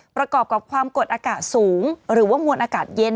ประกอบกับความกดอากาศสูงหรือว่ามวลอากาศเย็น